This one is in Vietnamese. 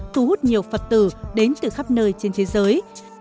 thu hút nhiều phật tử đến từ khắp nơi trên thế giới